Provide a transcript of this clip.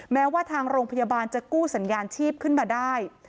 แม้ว่าทางโรงพยาบาลจะกู้สัญญาณชีพขึ้นมาได้